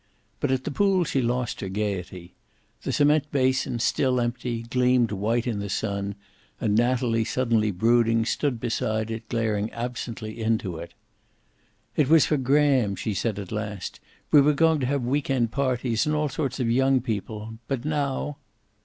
But at the pool she lost her gayety. The cement basin, still empty, gleamed white in the sun, and Natalie, suddenly brooding, stood beside it staring absently into it. "It was for Graham," she said at last. "We were going to have week end parties, and all sorts of young people. But now!"